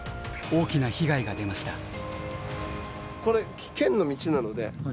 大きな被害が出ました。